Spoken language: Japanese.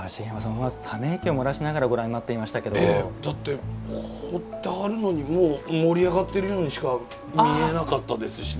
思わずため息を漏らしながらご覧になっていましたけど。だって彫ってはるのにもう盛り上がってるようにしか見えなかったですしね。